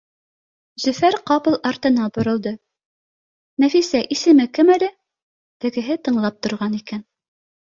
Зөфәр ҡапыл артына боролдо: Нәфисә, исеме кем әле? Тегеһе тыңлап торған икән: